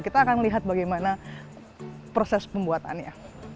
kita akan lihat bagaimana proses pembuatannya